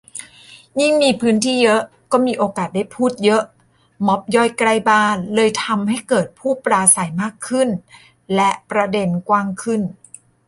ยิ่งมีพื้นที่เยอะก็มีโอกาสได้พูดเยอะ ม็อบย่อยใกล้บ้านเลยทำให้เกิดผู้ปราศัยมากขึ้นและประเด็นกว้างขึ้น